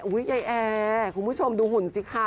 ยายแอร์คุณผู้ชมดูหุ่นสิคะ